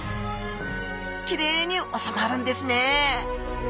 きれいにおさまるんですね。